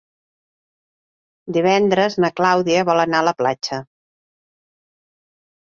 Divendres na Clàudia vol anar a la platja.